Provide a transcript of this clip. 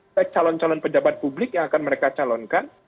ada calon calon pejabat publik yang akan mereka calonkan